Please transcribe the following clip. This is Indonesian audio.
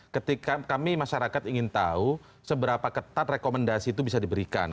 ketika kami masyarakat ingin tahu seberapa ketat rekomendasi itu bisa diberikan